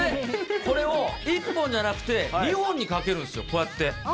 これを１本じゃなくて２本にかけるんです、こうやって。